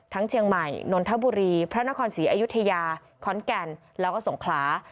เชียงใหม่นนทบุรีพระนครศรีอยุธยาขอนแก่นแล้วก็สงขลา